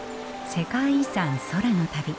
世界遺産空の旅。